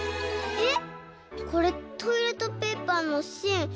えっ！